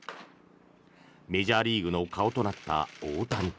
メジャーリーグの顔となった大谷。